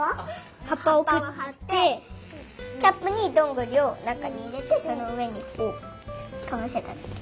はっぱをはってキャップにどんぐりをなかにいれてそのうえにかぶせただけ。